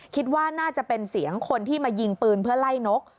คิดว่าน่าจะเป็นเสียงคนที่มายิงปืนเพื่อไล่นก